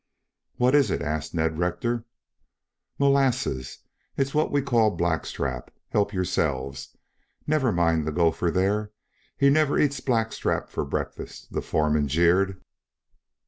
"What is it!" asked Ned Rector. "Molasses. It's what we call black strap. Help yourselves. Never mind the gopher there. He never eats black straps for breakfast," the foreman jeered.